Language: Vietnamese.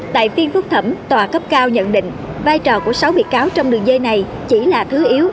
tại phiên phúc thẩm tòa cấp cao nhận định vai trò của sáu bị cáo trong đường dây này chỉ là thứ yếu